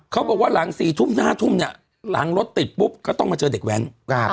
เขาบอกว่าหลัง๔ทุ่ม๕ทุ่มเนี่ยหลังรถติดปุ๊บก็ต้องมาเจอเด็กแว้น